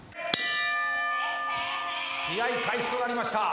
試合開始となりました